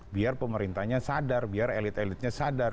biar pemerintahnya sadar biar elit elitnya sadar